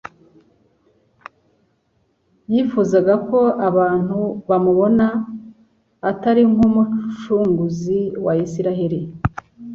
Yifuzaga ko abantu bamubona, atari nk'Umucunguzi wa Isiraheli